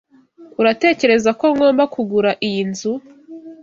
Uratekereza ko ngomba kugura iyi nzu?